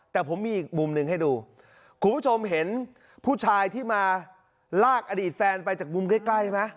แต่ผมมีอีกมุมหนึ่งให้ดูคุณผู้ชมเห็นผู้ชายที่มาลากอดีตแฟนไปจากมุมใกล้ใกล้ใช่ไหม